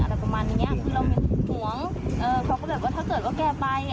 อะไรประมาณนี้คือเรามีห่วงเขาก็แบบว่าถ้าเกิดว่าแกไป